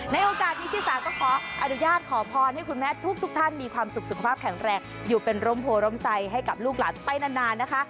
ในโอกาสนี้ชิสาก็ขออนุญาตขอพรให้คุณแม่ทุกท่านมีความสุขสุขภาพแข็งแรงอยู่เป็นร่มโพร่มใสให้กับลูกหลานไปนานนะคะ